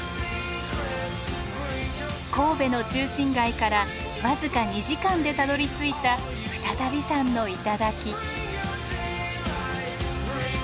神戸の中心街から僅か２時間でたどりついた再度山の頂。